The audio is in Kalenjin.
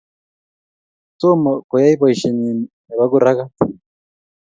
Tomo koyai poishenyi nebo kuragat